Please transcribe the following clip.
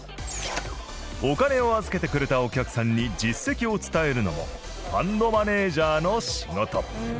お金を預けてくれたお客さんに実績を伝えるのもファンドマネージャーの仕事。